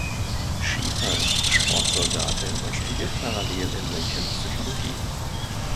Schiefer ist Sportsoldatin und studiert parallel in München Psychologie.